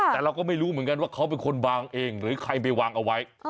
แต่เราก็ไม่รู้เหมือนกันว่าเขาเป็นคนวางเองหรือใครไปวางเอาไว้